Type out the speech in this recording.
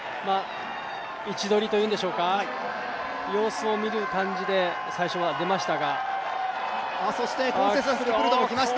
位置取りというんでしょうか、様子を見る感じで最初は出ました。